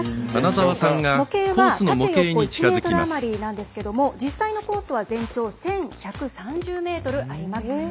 模型は縦横１ｍ余りなんですけど実際のコースは全長１１３０ｍあります。